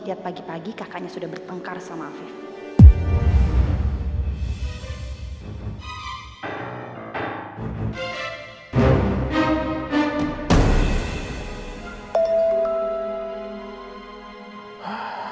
lihat pagi pagi kakaknya sudah bertengkar sama afif